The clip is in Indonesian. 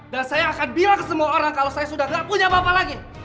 dan saya akan bilang ke semua orang kalau saya sudah gak punya bapak lagi